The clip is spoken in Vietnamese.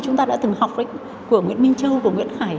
chúng ta đã từng học của nguyễn minh châu của nguyễn khải